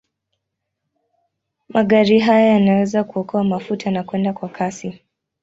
Magari haya yanaweza kuokoa mafuta na kwenda kwa kasi.